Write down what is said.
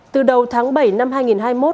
từ đầu tháng bảy năm hai nghìn hai mươi